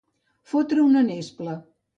Fotre una nespla.